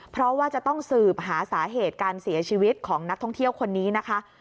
เพราะว่าจะต้องสืบหาสาเหตุการเสียชีวิตของนักท่องเที่ยวคนนี้นะคะ